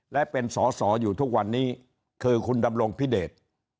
และเป็นสอสออยู่ทุกวันนี้คือคุณดำรงพิเดช